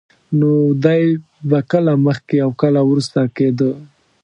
نو دی به کله مخکې او کله وروسته کېده.